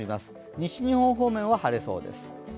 西日本方面は晴れそうです。